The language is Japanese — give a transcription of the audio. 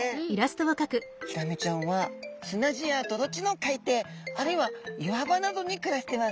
ヒラメちゃんは砂地や泥地の海底あるいは岩場などに暮らしてます。